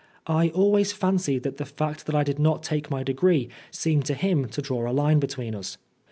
I always fancied that the fact that I did not take my degree seemed to him to draw a line between us.